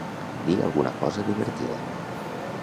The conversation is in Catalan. Dir alguna cosa divertida.